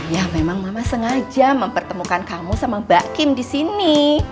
ya memang mama sengaja mempertemukan kamu sama mbak kim di sini